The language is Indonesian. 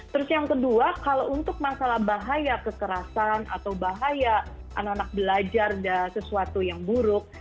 terus yang kedua kalau untuk masalah bahaya kekerasan atau bahaya anak anak belajar dan sesuatu yang buruk